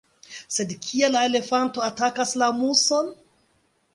Sed kial la elefanto atakas la muson?